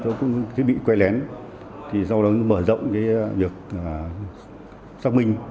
và thiết bị quay lén sau đó mở rộng việc xác minh